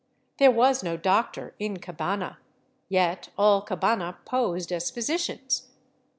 There was no doctor in Cabana ; yet all Cabana posed as physicians.